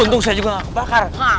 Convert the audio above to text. untung saya juga gak kebakar